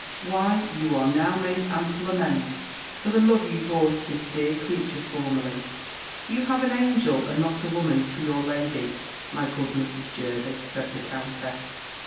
"Why you are now made ample amends for the love you bore to this dear creature formerly." "You have an angel, and not a woman, for your lady, my good Mrs. Jervis," said the countess.